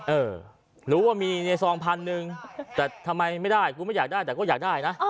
เออรู้ว่ามีในซองพันหนึ่งแต่ทำไมไม่ได้กูไม่อยากได้แต่ก็อยากได้นะ